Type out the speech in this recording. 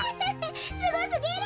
すごすぎる。